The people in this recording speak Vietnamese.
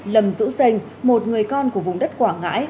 lâm dũ sênh một người con của vùng đất quảng ngãi